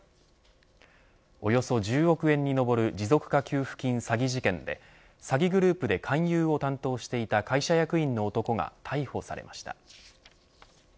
およそ１０億円に上る持続化給付金詐欺事件で詐欺グループで勧誘を担当していた会社役員の男が逮捕されました。